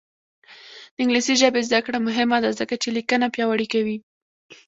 د انګلیسي ژبې زده کړه مهمه ده ځکه چې لیکنه پیاوړې کوي.